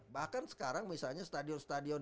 bahkan sekarang misalnya stadion stadion